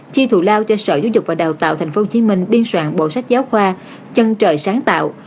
chi thủ lao cho sở giáo dục và đào tạo tp hcm biên soạn bộ sách giáo khoa chân trời sáng tạo